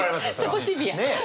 そこシビア。ね。